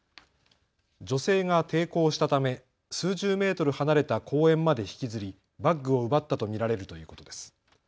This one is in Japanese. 女性が抵抗したため数十メートル離れた公園まで引きずり、バッグを奪ったと見られるということです。